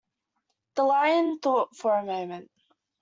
The Lion thought for a moment.